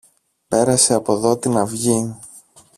Πέρασε από δω την αυγή.